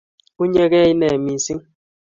Unyekei inet missing